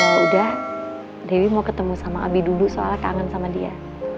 ya udah dewi mau ketemu sama abi dulu soalnya kangen sama dia